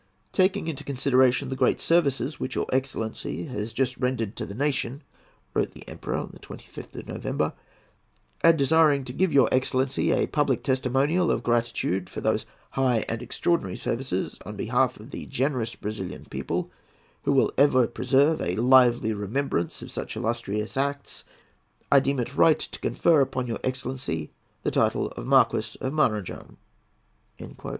"Taking into consideration the great services which your excellency has just rendered to the nation," wrote the Emperor on the 25th of November, "and desiring to give your excellency a public testimonial of gratitude for those high and extraordinary services on behalf of the generous Brazilian people, who will ever preserve a lively remembrance of such illustrious acts, I deem it right to confer upon your excellency the title of Marquis of Maranham."